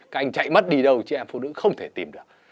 các anh chạy mất đi đâu chị em phụ nữ không thể tìm được